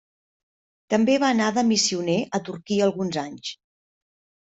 També va anar de missioner a Turquia alguns anys.